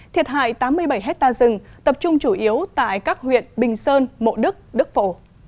thiệt hại tám mươi bảy hectare rừng tập trung chủ yếu tại các huyện bình sơn mộ đức đức phổ